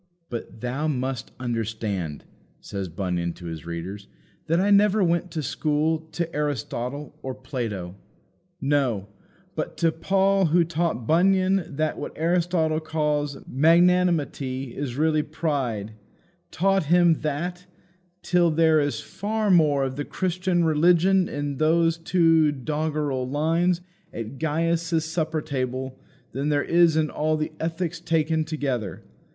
But, "thou must understand," says Bunyan to his readers, "that I never went to school to Aristotle or Plato. No; but to Paul, who taught Bunyan that what Aristotle calls magnanimity is really pride taught him that, till there is far more of the Christian religion in those two doggerel lines at Gaius's supper table than there is in all The Ethics taken together.